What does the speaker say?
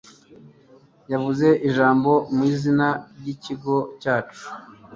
Yavuze ijambo mu izina ryikigo cyacu.